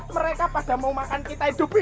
mereka pada mau makan kita hidup hidup